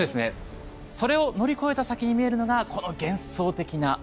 それを乗り越えた先に見えるのがこの幻想的なオーロラ。